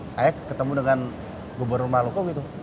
saya ketemu dengan gubernur maluku gitu